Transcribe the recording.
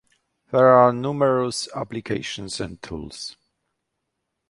There are numerous applications and tools.